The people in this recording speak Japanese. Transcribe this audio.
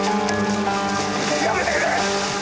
やめてくれ！